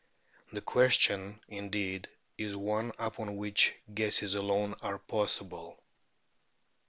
The question, indeed, is one upon which guesses alone are possible.